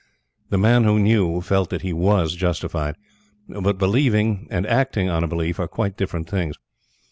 The Man who Knew felt that he WAS justified; but believing and acting on a belief are quite different things.